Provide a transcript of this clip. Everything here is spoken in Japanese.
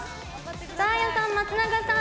サーヤさん松永さん